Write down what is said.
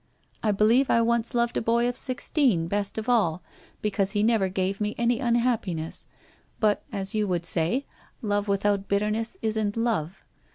I believed I once loved a boy of sixteen best of all because he never gave me any unhappiness, but, as you would say, love without bitterness isn't love.